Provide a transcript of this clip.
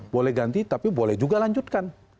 boleh ganti tapi boleh juga lanjutkan